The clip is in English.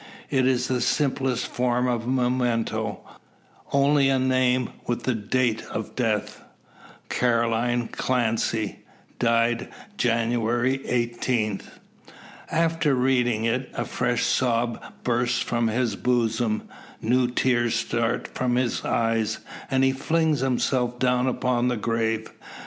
It is the simplest form of memento only a name, with the date of death "Caroline Clancy, Died January 18 " After reading it, a fresh sob bursts from his bosom, new tears start from his eyes, and he flings himself down upon the grave.